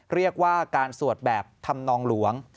เรียกว่าการสวดแบบธรรมนองหลวง